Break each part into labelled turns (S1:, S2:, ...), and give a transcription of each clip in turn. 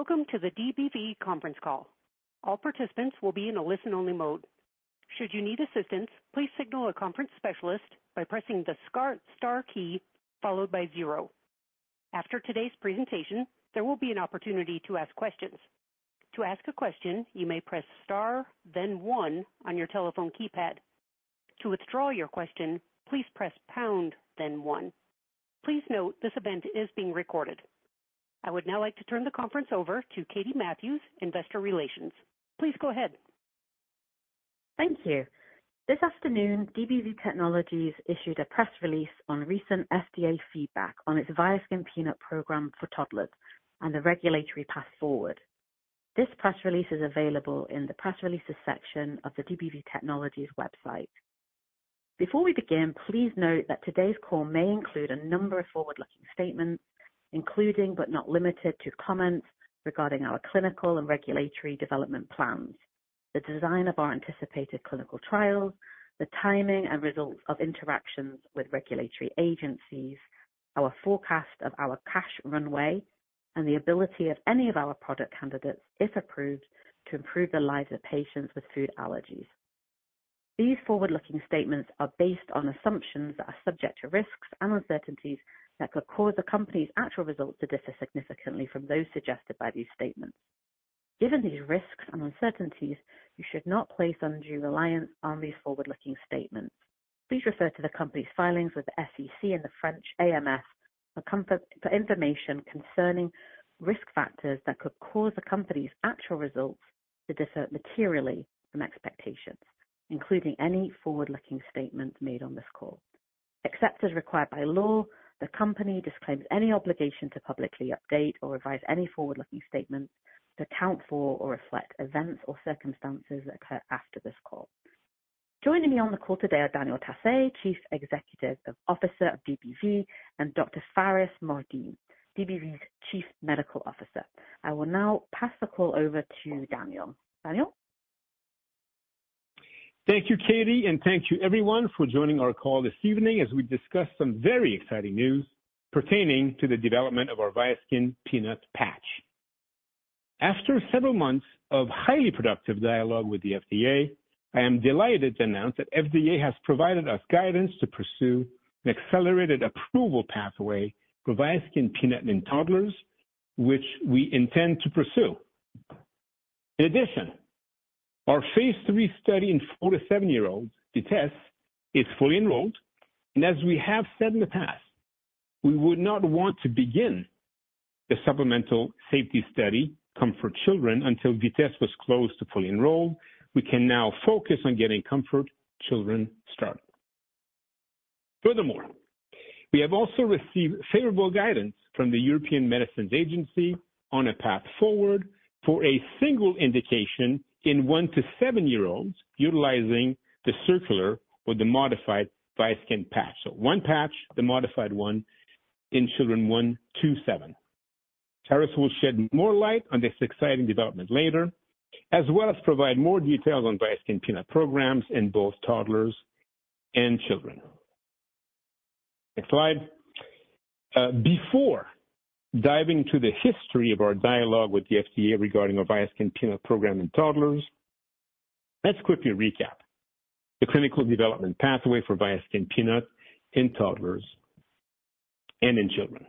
S1: Welcome to the DBV conference call. All participants will be in a listen-only mode. Should you need assistance, please signal a conference specialist by pressing the star key followed by zero. After today's presentation, there will be an opportunity to ask questions. To ask a question, you may press Star, then one on your telephone keypad. To withdraw your question, please press Pound, then one. Please note, this event is being recorded. I would now like to turn the conference over to Katie Matthews, Investor Relations. Please go ahead.
S2: Thank you. This afternoon, DBV Technologies issued a press release on recent FDA feedback on its VIASKIN Peanut program for toddlers and the regulatory path forward. This press release is available in the Press Releases section of the DBV Technologies website. Before we begin, please note that today's call may include a number of forward-looking statements, including, but not limited to, comments regarding our clinical and regulatory development plans, the design of our anticipated clinical trials, the timing and results of interactions with regulatory agencies, our forecast of our cash runway, and the ability of any of our product candidates, if approved, to improve the lives of patients with food allergies. These forward-looking statements are based on assumptions that are subject to risks and uncertainties that could cause the company's actual results to differ significantly from those suggested by these statements. Given these risks and uncertainties, you should not place undue reliance on these forward-looking statements. Please refer to the company's filings with the SEC and the French AMF for information concerning risk factors that could cause the company's actual results to differ materially from expectations, including any forward-looking statements made on this call. Except as required by law, the company disclaims any obligation to publicly update or revise any forward-looking statements to account for or reflect events or circumstances that occur after this call. Joining me on the call today are Daniel Tassé, Chief Executive Officer of DBV, and Dr. Pharis Mohideen, DBV's Chief Medical Officer. I will now pass the call over to Daniel. Daniel?
S3: Thank you, Katie, and thank you everyone for joining our call this evening as we discuss some very exciting news pertaining to the development of our VIASKIN Peanut patch. After several months of highly productive dialogue with the FDA, I am delighted to announce that FDA has provided us guidance to pursue an accelerated approval pathway for VIASKIN Peanut in toddlers, which we intend to pursue. In addition, our phase three study in four to seven-year-olds, VITESSE, is fully enrolled, and as we have said in the past, we would not want to begin the supplemental safety study, COMFORT Children, until VITESSE was closed to fully enroll. We can now focus on getting COMFORT Children started. Furthermore, we have also received favorable guidance from the European Medicines Agency on a path forward for a single indication in one to seven-year-old, utilizing the circular or the modified VIASKIN patch. One patch, the modified one, in children one to seven. Pharis will shed more light on this exciting development later, as well as provide more details on VIASKIN Peanut programs in both toddlers and children. Next slide. Before diving into the history of our dialogue with the FDA regarding our VIASKIN Peanut program in toddlers, let's quickly recap the clinical development pathway for VIASKIN Peanut in toddlers and in children.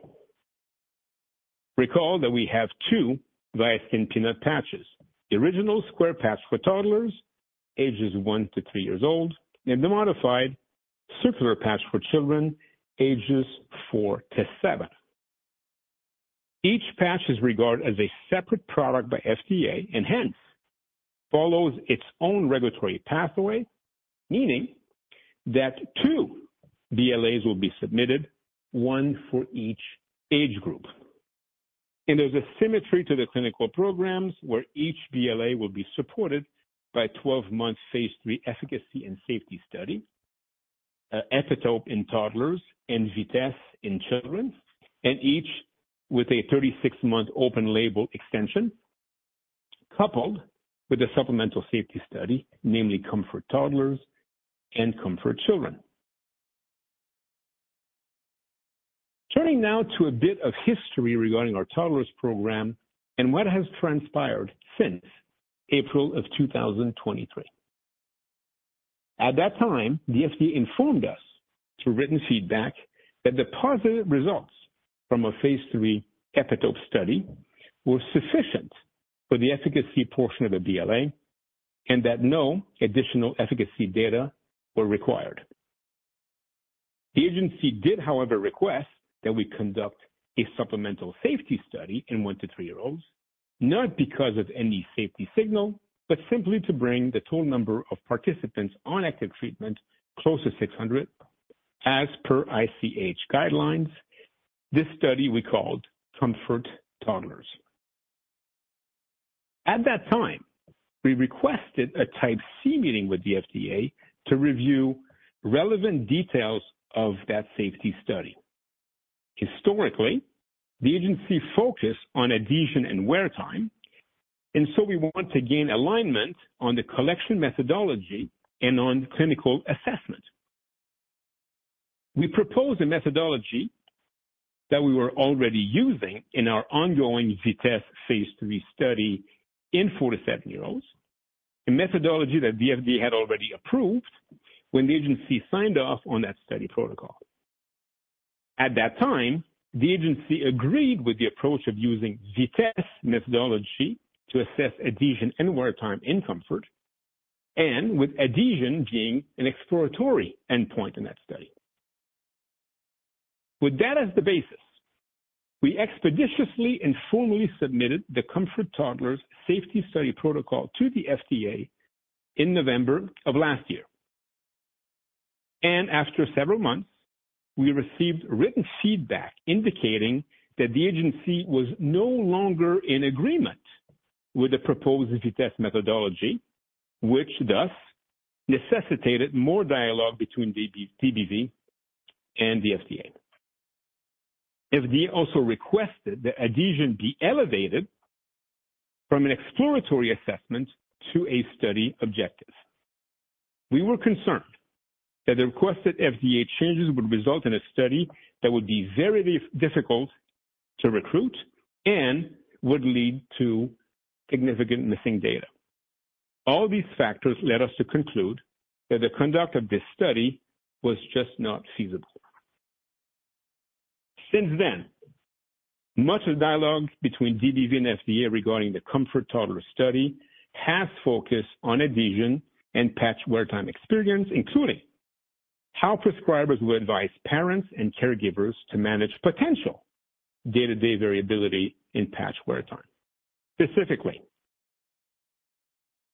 S3: Recall that we have two VIASKIN Peanut patches, the original square patch for toddlers, ages one to three years old, and the modified circular patch for children, ages four to seven. Each patch is regarded as a separate product by FDA and hence follows its own regulatory pathway, meaning that two BLAs will be submitted, one for each age group. There's a symmetry to the clinical programs, where each BLA will be supported by 12-month phase 3 efficacy and safety study, EPITOPE in toddlers and VITESSE in children, and each with a 36-month open label extension, coupled with a supplemental safety study, namely COMFORT Toddlers and COMFORT Children. Turning now to a bit of history regarding our toddlers program and what has transpired since April of 2023. At that time, the FDA informed us through written feedback that the positive results from our phase 3 EPITOPE study were sufficient for the efficacy portion of the BLA and that no additional efficacy data were required. The agency did, however, request that we conduct a supplemental safety study in one to three-year-olds, not because of any safety signal, but simply to bring the total number of participants on active treatment close to six hundred, as per ICH guidelines. This study we called COMFORT Toddlers. At that time, we requested a Type C meeting with the FDA to review relevant details of that safety study. Historically, the agency focused on adhesion and wear time, and so we want to gain alignment on the collection methodology and on clinical assessment. We propose a methodology that we were already using in our ongoing VITESSE phase three study in four to seven-year-olds. A methodology that the FDA had already approved when the agency signed off on that study protocol. At that time, the agency agreed with the approach of using VITESSE methodology to assess adhesion and wear time in COMFORT, and with adhesion being an exploratory endpoint in that study. With that as the basis, we expeditiously and formally submitted the COMFORT Toddlers safety study protocol to the FDA in November of last year. After several months, we received written feedback indicating that the agency was no longer in agreement with the proposed VITESSE methodology, which thus necessitated more dialogue between DBV and the FDA. FDA also requested that adhesion be elevated from an exploratory assessment to a study objective. We were concerned that the requested FDA changes would result in a study that would be very difficult to recruit and would lead to significant missing data. All these factors led us to conclude that the conduct of this study was just not feasible. Since then, much of the dialogue between DBV and FDA regarding the COMFORT Toddlers study has focused on adhesion and patch wear-time experience, including how prescribers would advise parents and caregivers to manage potential day-to-day variability in patch wear time. Specifically,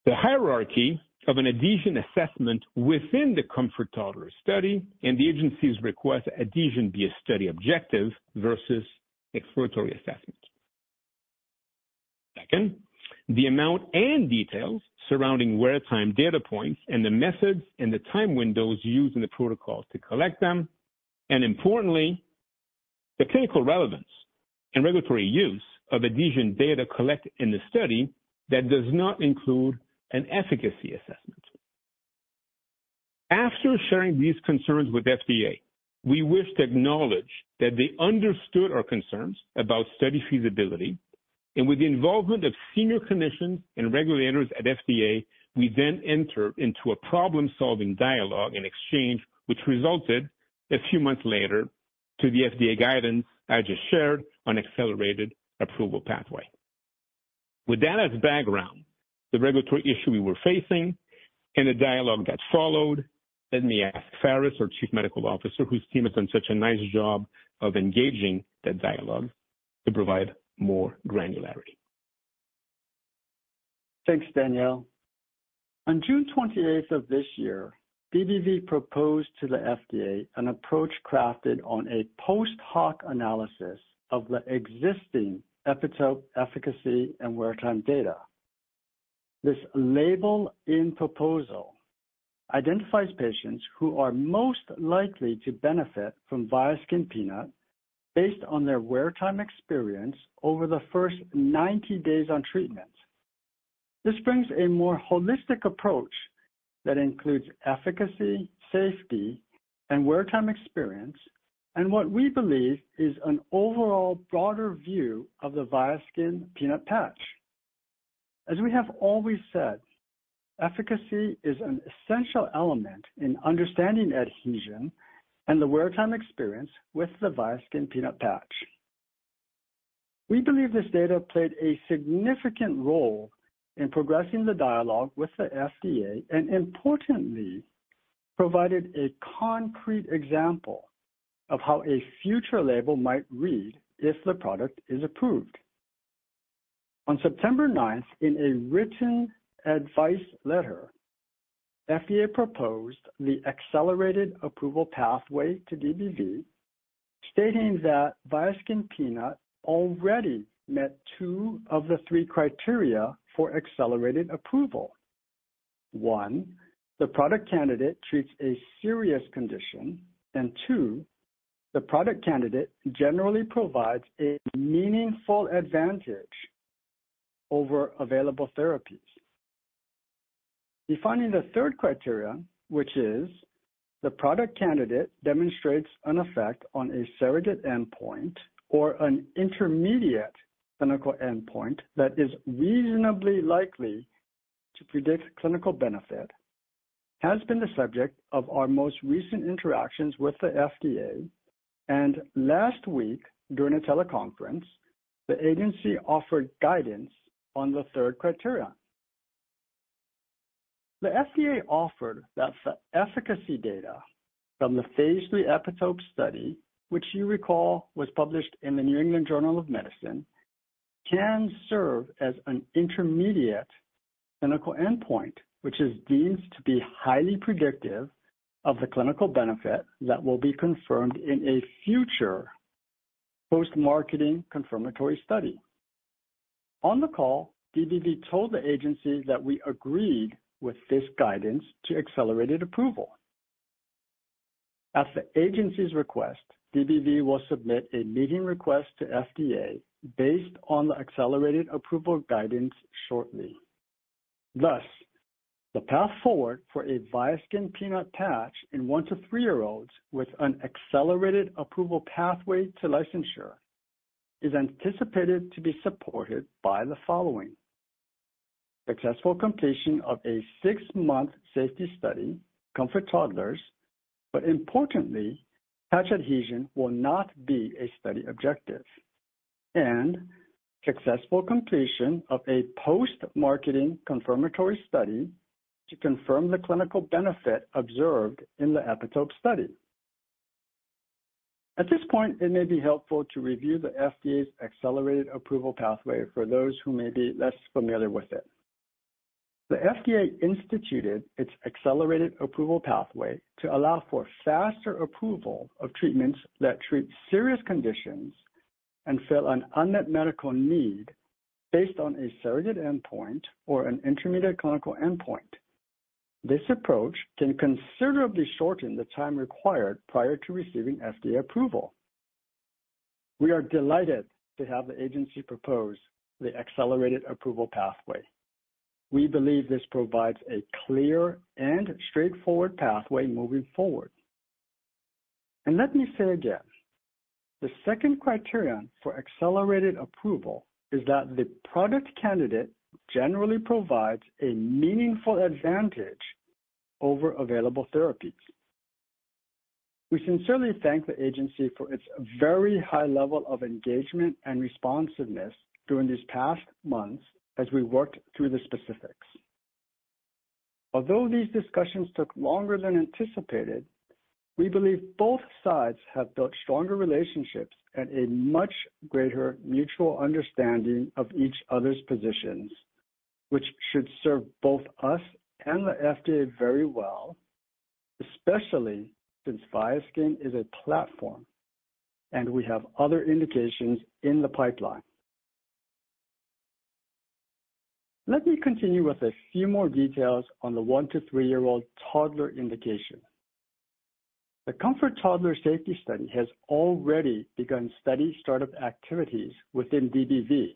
S3: the hierarchy of an adhesion assessment within the COMFORT Toddlers study and the agency's request adhesion be a study objective versus exploratory assessment. Second, the amount and details surrounding wear time data points and the methods and the time windows used in the protocol to collect them, and importantly, the clinical relevance and regulatory use of adhesion data collected in the study that does not include an efficacy assessment. After sharing these concerns with FDA, we wish to acknowledge that they understood our concerns about study feasibility, and with the involvement of senior clinicians and regulators at FDA, we then entered into a problem-solving dialogue in exchange, which resulted a few months later to the FDA guidance I just shared on accelerated approval pathway. With that as background, the regulatory issue we were facing and the dialogue that followed, let me ask Pharis, our Chief Medical Officer, whose team has done such a nice job of engaging that dialogue, to provide more granularity.
S4: Thanks, Daniel. On June 28th of this year, DBV proposed to the FDA an approach crafted on a post-hoc analysis of the existing EPITOPE efficacy and wear-time data. This labeling proposal identifies patients who are most likely to benefit from VIASKIN Peanut, based on their wear-time experience over the first ninety days on treatment. This brings a more holistic approach that includes efficacy, safety, and wear-time experience, and what we believe is an overall broader view of the VIASKIN Peanut patch. As we have always said, efficacy is an essential element in understanding adhesion and the wear-time experience with the VIASKIN Peanut patch. We believe this data played a significant role in progressing the dialogue with the FDA and importantly, provided a concrete example of how a future label might read if the product is approved. On September 9th, in a written advice letter, FDA proposed the accelerated approval pathway to DBV, stating that VIASKIN Peanut already met two of the three criteria for accelerated approval. One, the product candidate treats a serious condition, and two, the product candidate generally provides a meaningful advantage over available therapies. Defining the 3rd criteria, which is the product candidate, demonstrates an effect on a surrogate endpoint or an intermediate clinical endpoint that is reasonably likely to predict clinical benefit, has been the subject of our most recent interactions with the FDA, and last week, during a teleconference, the agency offered guidance on the 3rd criteria. The FDA offered that the efficacy data from the phase 3 EPITOPE study, which you recall was published in the New England Journal of Medicine, can serve as an intermediate clinical endpoint, which is deemed to be highly predictive of the clinical benefit that will be confirmed in a future post-marketing confirmatory study. On the call, DBV told the agency that we agreed with this guidance to accelerated approval. At the agency's request, DBV will submit a meeting request to FDA based on the accelerated approval guidance shortly. Thus, the path forward for a VIASKIN Peanut patch in one to three-year-old with an accelerated approval pathway to licensure is anticipated to be supported by the following: Successful completion of a six-month safety study, COMFORT Toddlers. But importantly, patch adhesion will not be a study objective. Successful completion of a post-marketing confirmatory study to confirm the clinical benefit observed in the EPITOPE study. At this point, it may be helpful to review the FDA's accelerated approval pathway for those who may be less familiar with it. The FDA instituted its accelerated approval pathway to allow for faster approval of treatments that treat serious conditions and fill an unmet medical need based on a surrogate endpoint or an intermediate clinical endpoint. This approach can considerably shorten the time required prior to receiving FDA approval. We are delighted to have the agency propose the accelerated approval pathway. We believe this provides a clear and straightforward pathway moving forward. Let me say again, the 2nd criteria for accelerated approval is that the product candidate generally provides a meaningful advantage over available therapies. We sincerely thank the agency for its very high level of engagement and responsiveness during these past months as we worked through the specifics. Although these discussions took longer than anticipated, we believe both sides have built stronger relationships and a much greater mutual understanding of each other's positions, which should serve both us and the FDA very well, especially since VIASKIN is a platform, and we have other indications in the pipeline. Let me continue with a few more details on the one to three-year-old toddler indication. The COMFORT Toddlers safety study has already begun study startup activities within DBV,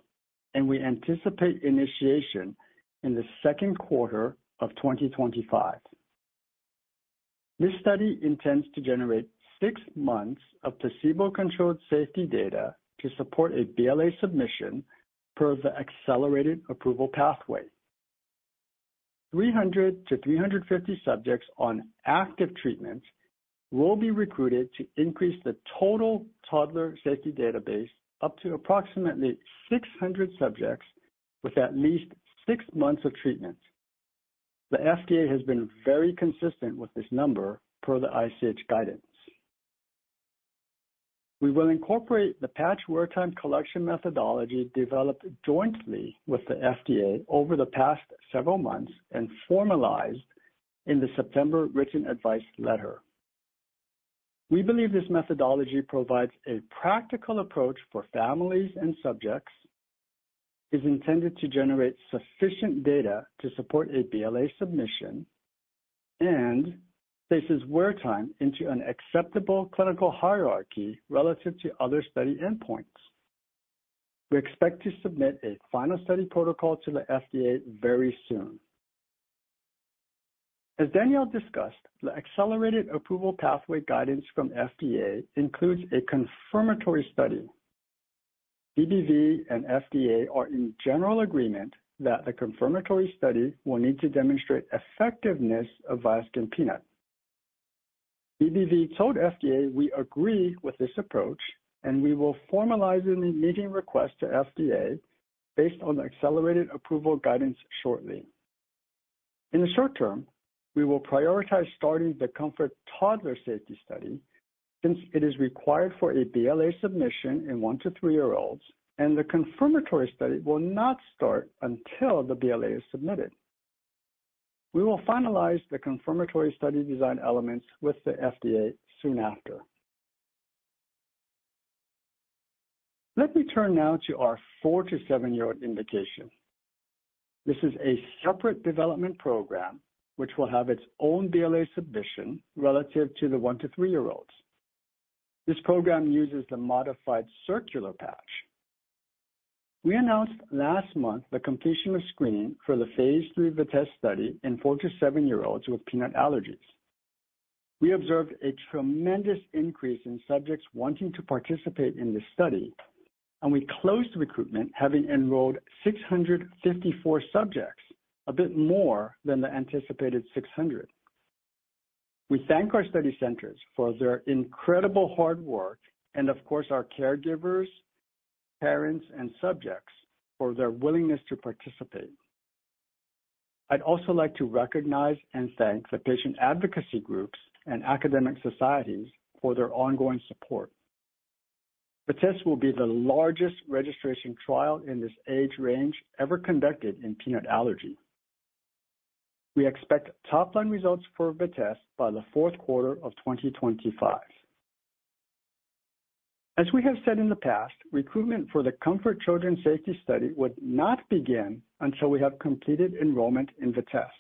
S4: and we anticipate initiation in the second quarter of 2025. This study intends to generate six months of placebo-controlled safety data to support a BLA submission per the accelerated approval pathway. 300 to 350 subjects on active treatment will be recruited to increase the total toddler safety database up to approximately 600 subjects with at least six months of treatment. The FDA has been very consistent with this number per the ICH guidance. We will incorporate the patch wear time collection methodology developed jointly with the FDA over the past several months and formalized in the September written advice letter. We believe this methodology provides a practical approach for families and subjects, is intended to generate sufficient data to support a BLA submission, and places wear time into an acceptable clinical hierarchy relative to other study endpoints. We expect to submit a final study protocol to the FDA very soon. As Daniel discussed, the accelerated approval pathway guidance from FDA includes a confirmatory study. DBV and FDA are in general agreement that the confirmatory study will need to demonstrate effectiveness of VIASKIN Peanut. DBV told FDA we agree with this approach, and we will formalize a meeting request to FDA based on the accelerated approval guidance shortly. In the short term, we will prioritize starting the COMFORT Toddlers safety study since it is required for a BLA submission in one to three-year-olds, and the confirmatory study will not start until the BLA is submitted. We will finalize the confirmatory study design elements with the FDA soon after. Let me turn now to our four to seven-year-old indication. This is a separate development program, which will have its own BLA submission relative to the one to three-year-olds. This program uses the modified circular patch. We announced last month the completion of screening for the phase 3 VITESSE study in four to seven-year-olds with peanut allergies. We observed a tremendous increase in subjects wanting to participate in this study, and we closed recruitment, having enrolled 654 subjects, a bit more than the anticipated 600. We thank our study centers for their incredible hard work and, of course, our caregivers, parents, and subjects for their willingness to participate. I'd also like to recognize and thank the patient advocacy groups and academic societies for their ongoing support. VITESSE will be the largest registration trial in this age range ever conducted in peanut allergy. We expect top-line results for VITESSE by the fourth quarter of 2025. As we have said in the past, recruitment for the COMFORT Children safety study would not begin until we have completed enrollment in VITESSE.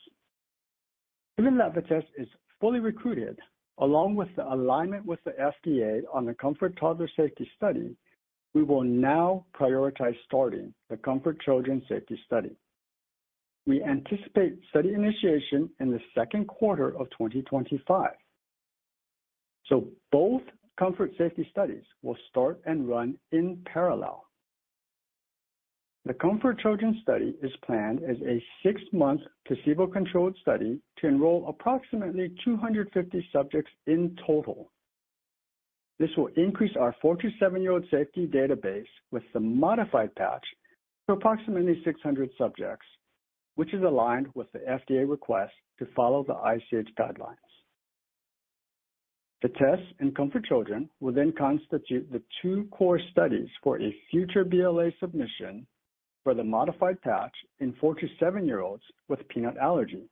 S4: Given that the test is fully recruited, along with the alignment with the FDA on the COMFORT Toddlers safety study, we will now prioritize starting the COMFORT Children Safety Study. We anticipate study initiation in the second quarter of 2025. So both COMFORT safety studies will start and run in parallel. The COMFORT Children Study is planned as a six-month placebo-controlled study to enroll approximately 250 subjects in total. This will increase our four to seven-year-old safety database with the modified patch to approximately 600 subjects, which is aligned with the FDA request to follow the ICH guidelines. The test in COMFORT Children will then constitute the two core studies for a future BLA submission for the modified patch in four to seven-year-olds with peanut allergy.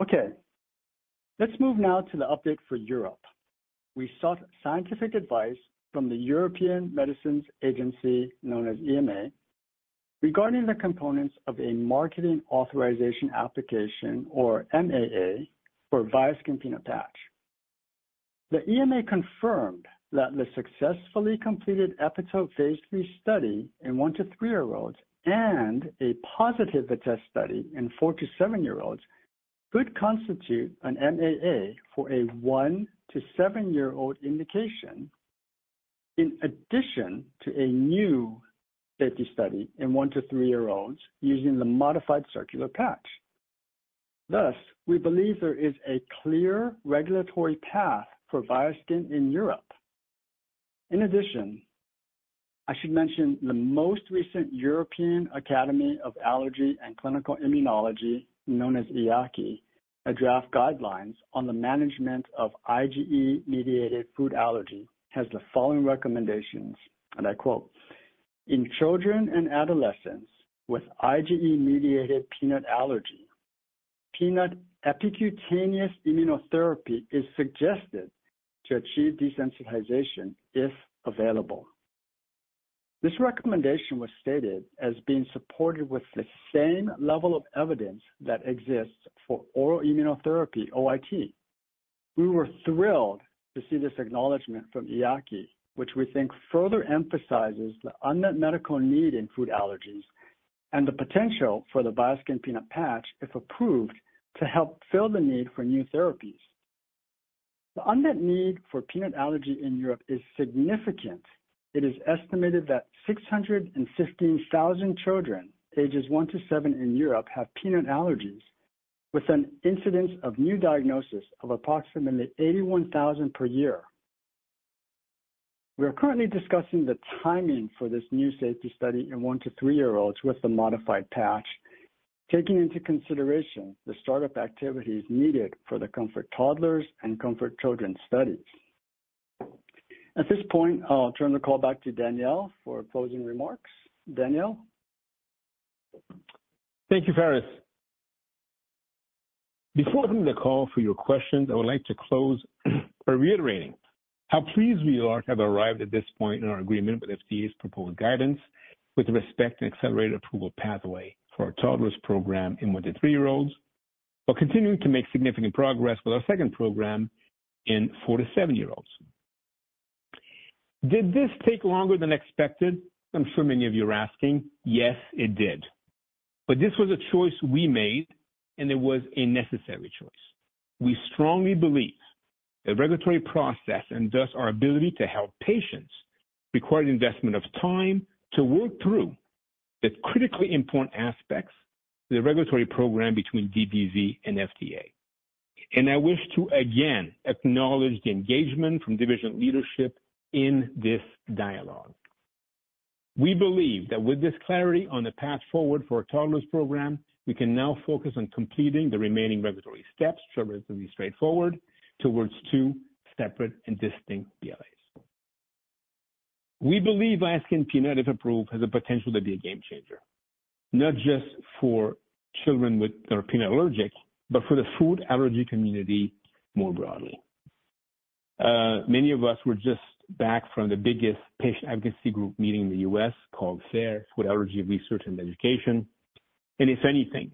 S4: Okay, let's move now to the update for Europe. We sought scientific advice from the European Medicines Agency, known as EMA, regarding the components of a Marketing Authorization Application, or MAA, for VIASKIN Peanut patch. The EMA confirmed that the successfully completed EPITOPE phase 3 study in one to three-year-olds and a positive test study in four to seven-year-olds could constitute an MAA for a one to seven-year-old indication, in addition to a new safety study in one to three-year-olds using the modified circular patch. Thus, we believe there is a clear regulatory path for VIASKIN in Europe. In addition, I should mention the most recent European Academy of Allergy and Clinical Immunology, known as EAACI, a draft guidelines on the management of IgE-mediated food allergy, has the following recommendations, and I quote, "In children and adolescents with IgE-mediated peanut allergy, peanut epicutaneous immunotherapy is suggested to achieve desensitization if available." This recommendation was stated as being supported with the same level of evidence that exists for oral immunotherapy, OIT. We were thrilled to see this acknowledgment from EAACI, which we think further emphasizes the unmet medical need in food allergies and the potential for the VIASKIN Peanut patch, if approved, to help fill the need for new therapies. The unmet need for peanut allergy in Europe is significant. It is estimated that 615,000 children, ages one to seven in Europe, have peanut allergies, with an incidence of new diagnosis of approximately 81,000 per year. We are currently discussing the timing for this new safety study in one to three-year-olds with the modified patch, taking into consideration the start-up activities needed for the COMFORT Toddlers and COMFORT Children studies. At this point, I'll turn the call back to Daniel for closing remarks. Daniel?
S3: Thank you, Pharis. Before doing the call for your questions, I would like to close by reiterating how pleased we are to have arrived at this point in our agreement with FDA's proposed guidance with respect to accelerated approval pathway for our toddlers program in one to three-year-olds, while continuing to make significant progress with our second program in four to seven-year-olds. Did this take longer than expected? I'm sure many of you are asking. Yes, it did. But this was a choice we made, and it was a necessary choice. We strongly believe the regulatory process, and thus our ability to help patients, require an investment of time to work through the critically important aspects of the regulatory program between DBV and FDA, and I wish to again acknowledge the engagement from division leadership in this dialogue. We believe that with this clarity on the path forward for our toddlers program, we can now focus on completing the remaining regulatory steps, which are relatively straightforward, towards two separate and distinct BLAs. We believe VIASKIN Peanut, if approved, has the potential to be a game changer, not just for children with, that are peanut allergic, but for the food allergy community more broadly. Many of us were just back from the biggest patient advocacy group meeting in the U.S., called FARE, Food Allergy Research and Education, and if anything,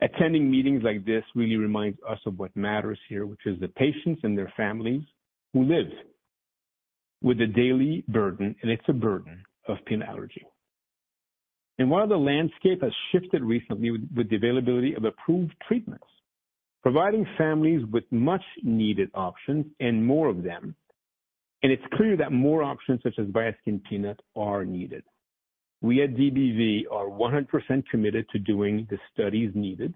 S3: attending meetings like this really reminds us of what matters here, which is the patients and their families who live with the daily burden, and it's a burden of peanut allergy. While the landscape has shifted recently with the availability of approved treatments, providing families with much needed options and more of them, and it's clear that more options such as VIASKIN Peanut are needed. We at DBV are 100% committed to doing the studies needed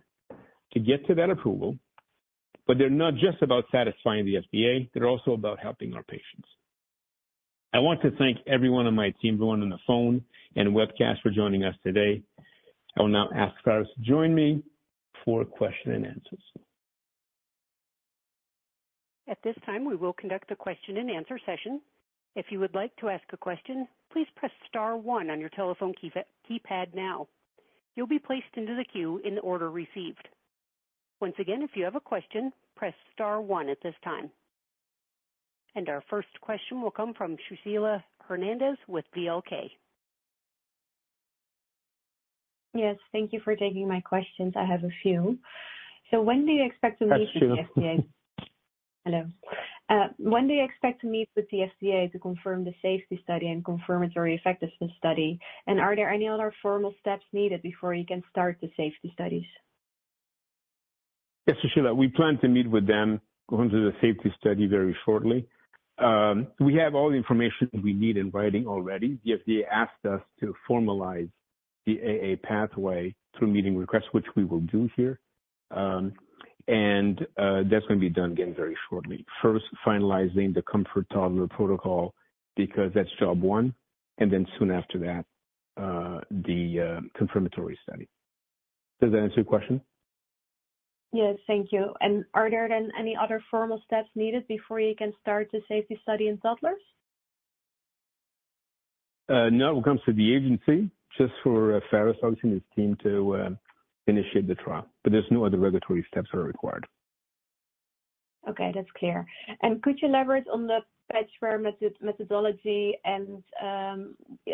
S3: to get to that approval. But they're not just about satisfying the FDA, they're also about helping our patients. I want to thank everyone on my team, everyone on the phone and webcast for joining us today. I will now ask Pharis to join me for question and answers.
S1: At this time, we will conduct a question and answer session. If you would like to ask a question, please press star one on your telephone keypad now. You'll be placed into the queue in the order received. Once again, if you have a question, press star one at this time.... Our first question will come from Sushila Hernandez with Berenberg.
S5: Yes, thank you for taking my questions. I have a few. So when do you expect to meet with the FDA?
S3: Hi, Sushila.
S5: Hello. When do you expect to meet with the FDA to confirm the safety study and confirmatory effectiveness study, and are there any other formal steps needed before you can start the safety studies?
S3: Yes, Sushila, we plan to meet with them, going through the safety study very shortly. We have all the information we need in writing already. The FDA asked us to formalize the AA pathway through meeting requests, which we will do here. And that's going to be done, again, very shortly. First, finalizing the COMFORT Toddlers protocol, because that's job one, and then soon after that, the confirmatory study. Does that answer your question?
S5: Yes, thank you. And are there then any other formal steps needed before you can start the safety study in toddlers?
S3: No, when it comes to the agency, just for Pharis and his team to initiate the trial, but there's no other regulatory steps that are required.
S5: Okay, that's clear, and could you elaborate on the patch wear method, methodology and,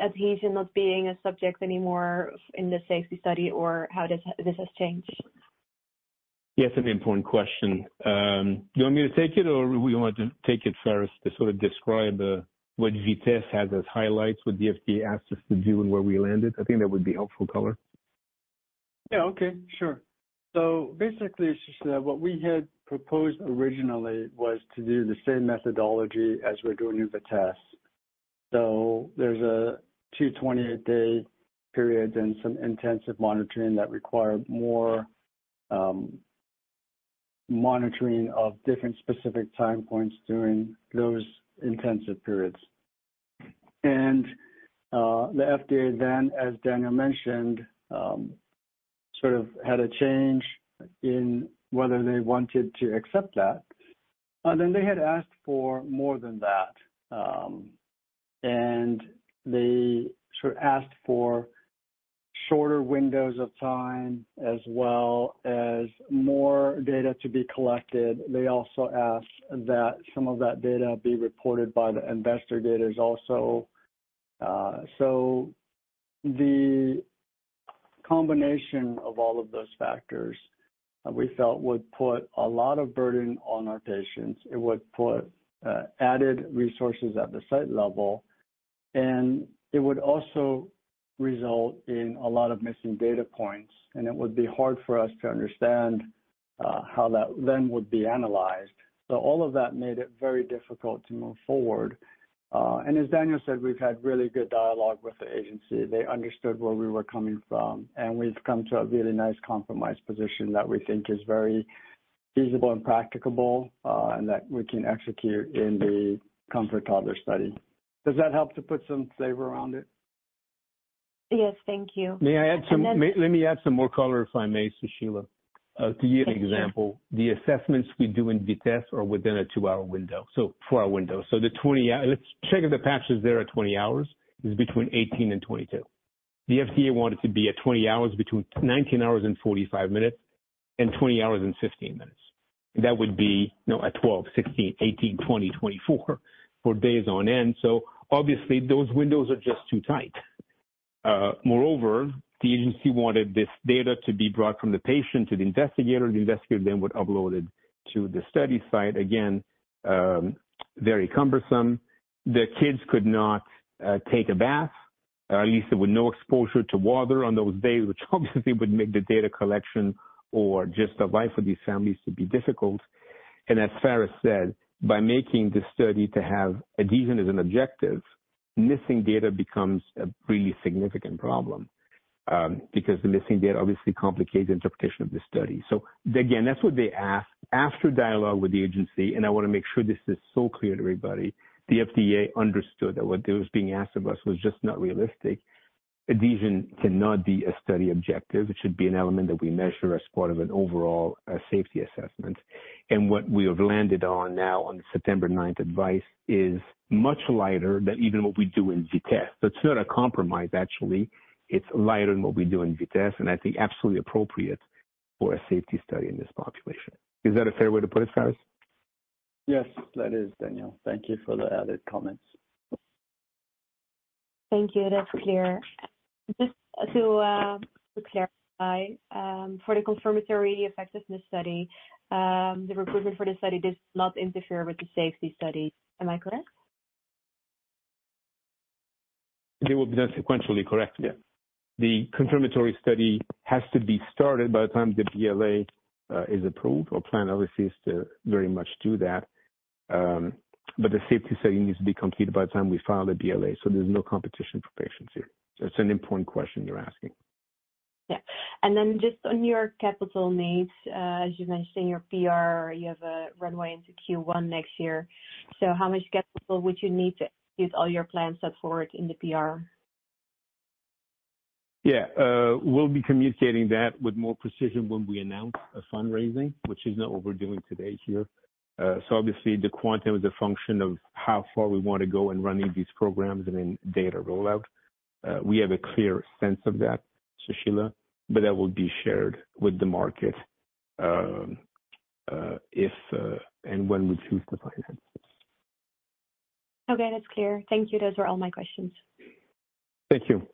S5: adhesion not being a subject anymore in the safety study, or how this has changed?
S3: Yes, an important question. You want me to take it or we want to take it first to sort of describe what VITESSE has as highlights, what the FDA asked us to do and where we landed? I think that would be helpful color.
S4: Yeah, okay. Sure. So basically, Sushila, what we had proposed originally was to do the same methodology as we're doing in VITESSE. So there's a two twenty-eight day period and some intensive monitoring that required more monitoring of different specific time points during those intensive periods. And the FDA then, as Daniel mentioned, sort of had a change in whether they wanted to accept that. And then they had asked for more than that and they sort of asked for shorter windows of time, as well as more data to be collected. They also asked that some of that data be reported by the investigator data also. So the combination of all of those factors, we felt would put a lot of burden on our patients. It would put added resources at the site level, and it would also result in a lot of missing data points, and it would be hard for us to understand how that then would be analyzed. So all of that made it very difficult to move forward. And as Daniel said, we have had really good dialogue with the agency. They understood where we were coming from, and we have come to a really nice compromise position that we think is very feasible and practicable, and that we can execute in the COMFORT Toddlers study. Does that help to put some flavor around it?
S5: Yes, thank you.
S3: May I add some... Let me add some more color, if I may, Sushila. To give an example, the assessments we do in VITESSE are within a two-hour window, so four-hour window. So the 20 hour -- let's check if the patch is there at 20 hours, is between 18 and 22. The FDA want it to be at 20 hours, between 19 hours and 45 minutes and 20 hours and 15 minutes. That would be, you know, at 12, 16, 18, 20, 24, for days on end. So obviously those windows are just too tight. Moreover, the agency wanted this data to be brought from the patient to the investigator. The investigator then would upload it to the study site. Again, very cumbersome. The kids could not take a bath, at least with no exposure to water on those days, which obviously would make the data collection or just the life of these families to be difficult, and as Pharis said, by making this study to have adhesion as an objective, missing data becomes a really significant problem, because the missing data obviously complicates the interpretation of the study, so again, that's what they asked. After dialogue with the agency, and I want to make sure this is so clear to everybody, the FDA understood that what was being asked of us was just not realistic. Adhesion cannot be a study objective. It should be an element that we measure as part of an overall safety assessment, and what we have landed on now, on September 9th advice, is much lighter than even what we do in VITESSE. It's not a compromise, actually. It's lighter than what we do in VITESSE, and I think absolutely appropriate for a safety study in this population. Is that a fair way to put it, Pharis?
S4: Yes, that is, Daniel. Thank you for the added comments.
S5: Thank you. That's clear. Just to clarify, for the confirmatory effectiveness study, the recruitment for the study does not interfere with the safety study. Am I correct?
S3: They will be done sequentially, correct. Yeah. The confirmatory study has to be started by the time the BLA is approved or plan at least to very much do that. But the safety study needs to be completed by the time we file the BLA, so there's no competition for patients here. It's an important question you're asking.
S5: Yeah. And then just on your capital needs, as you mentioned in your PR, you have a runway into Q1 next year. So how much capital would you need to execute all your plans set forward in the PR?
S3: Yeah, we'll be communicating that with more precision when we announce a fundraising, which is not what we're doing today here. So obviously the quantum is a function of how far we want to go in running these programs and then data rollout. We have a clear sense of that, Sushila, but that will be shared with the market, if and when we choose to finance.
S5: Okay, that's clear. Thank you. Those were all my questions.
S3: Thank you.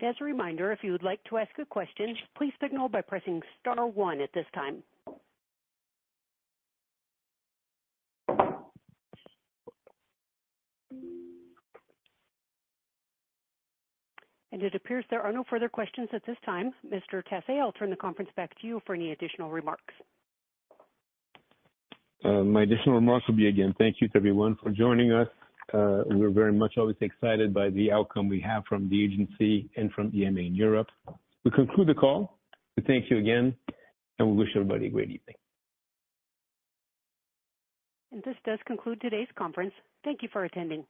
S1: As a reminder, if you would like to ask a question, please signal by pressing star one at this time. It appears there are no further questions at this time. Mr. Tassé, I'll turn the conference back to you for any additional remarks.
S3: My additional remarks will be, again, thank you to everyone for joining us. We're very much always excited by the outcome we have from the agency and from EMA in Europe. We conclude the call. We thank you again, and we wish everybody a great evening.
S1: This does conclude today's conference. Thank you for attending.